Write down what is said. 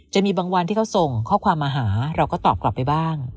จะมีบางวันที่เขาส่งข้อความมาหาเราก็ตอบกลับไปบ้าง